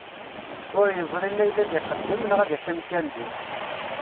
Ur yeẓri ma yella ad iqeddem neɣ ad iqqim kan din.